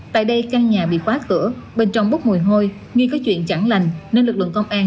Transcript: tại đây căn nhà bị khóa cửa bên trong bốc mùi hôi nghi có chuyện chẳng lành nên lực lượng công an